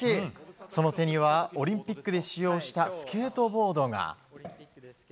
その手にはオリンピックで使用したスケートボードが。